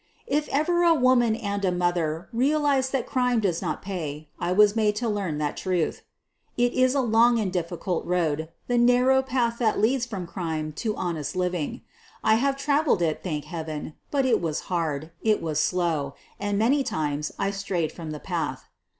If ever a woman and a mother realized that crime does not pay, I was made to learn that truth. It is a long and difficult road — the narrow path that leads from crime to honest living. I have trav eled it, thank heaven ! but it was hard, it was slow — and many times I strayed from the path.